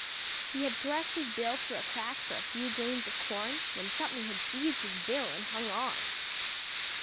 He had thrust his bill through a crack for a few grains of corn when something had seized his bill and hung on.